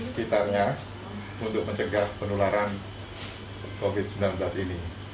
sekitarnya untuk mencegah penularan covid sembilan belas ini